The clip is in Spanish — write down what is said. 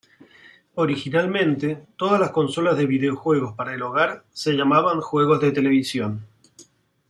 Originalmente, todas las consolas de videojuegos para el hogar se llamaban juegos de televisión.